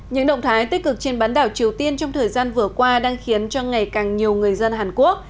những động thái tích cực trên bán đảo triều tiên trong thời gian vừa qua đang khiến cho ngày càng nhiều người dân hàn quốc